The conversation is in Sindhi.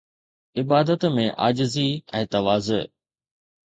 عبادت ۾ عاجزي ۽ تواضع